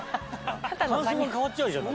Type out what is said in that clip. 感想が変わっちゃうじゃん。